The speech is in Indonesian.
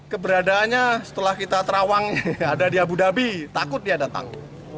keberadaannya setelah kita terawang ada di abu dhabi takut dia datang